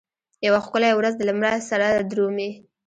یوه ښکلې ورځ دلمره سره درومي